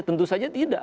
tentu saja tidak